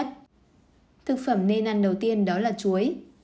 thực phẩm nên ăn đầu tiên đó là chuối